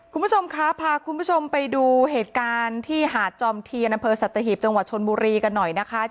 คุณผู้ชมครับพาคุณผู้ชมไปดูเหตุการณ์ที่หาดจอมเทียนอำเภอสัตหีบจังหวัดชนบุรีกันหน่อยนะคะ